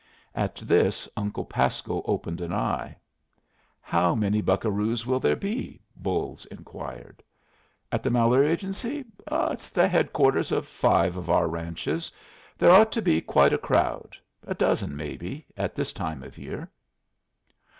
At this Uncle Pasco opened an eye. "How many buccaroos will there be?" Bolles inquired. "At the Malheur Agency? It's the headquarters of five of our ranches. There ought to be quite a crowd. A dozen, probably, at this time of year."